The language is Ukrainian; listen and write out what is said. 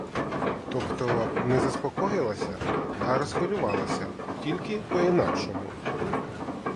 Тобто, не заспокоїлася, а розхвилювалася, тільки по-інакшому.